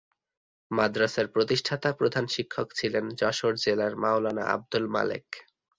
মাদ্রাসার প্রতিষ্ঠাতা প্রধান শিক্ষক ছিলেন যশোর জেলার মাওলানা আব্দুল মালেক।